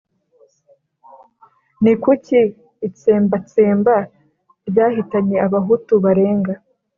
ni kuki itsembatsemba ryahitanye abahutu barenga